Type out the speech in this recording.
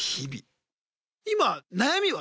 今悩みは？